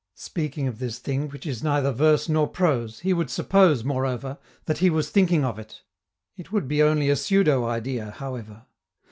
Speaking of this thing which is neither verse nor prose, he would suppose, moreover, that he was thinking of it: it would be only a pseudo idea, however.